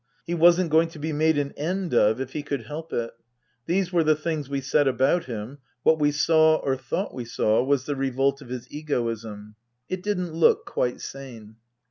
He wasn't going to be made an end of if he could help it. These were the things we said about him. What we saw, or thought we saw, was the revolt of his egoism. It didn't look quite sane.